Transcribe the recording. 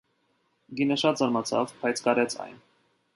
Կինը շատ զարմացավ, բայց կարեց այն։